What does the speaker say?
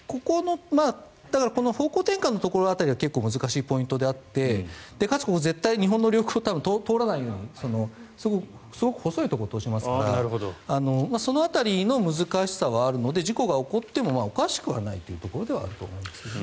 方向転換のところ辺りは結構難しいポイントでかつ、ここは絶対に日本の領空を通らないようにすごく細いところを通しますからその辺りの難しさはあるので事故が起こってもおかしくはないというところではあると思いますけどね。